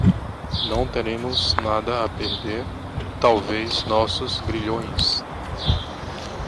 Não teremos nada a perder, talvez nossos grilhões